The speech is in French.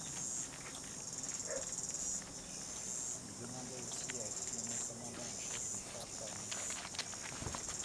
Il demandait aussi à être nommé Commandant en Chef des forces armées grecques.